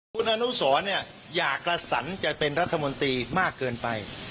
คุณอนุสรอยากกระสันจะเป็นรัฐมนตรีมากเกินไป